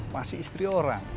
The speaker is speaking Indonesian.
masih istri orang